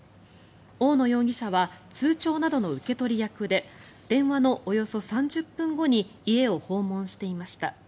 大野容疑者は通帳などの受け取り役で電話のおよそ３０分後に家を訪問していました。